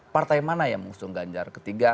partai mana yang mengusung ganjar ketiga